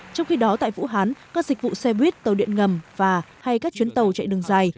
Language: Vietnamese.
trong khi đó tại vũ hán các dịch vụ xe buýt tàu điện ngầm và hay các chuyến tàu chạy đường dài